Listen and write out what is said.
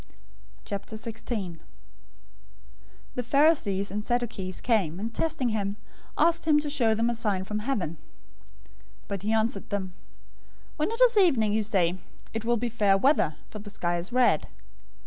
016:001 The Pharisees and Sadducees came, and testing him, asked him to show them a sign from heaven. 016:002 But he answered them, "When it is evening, you say, 'It will be fair weather, for the sky is red.'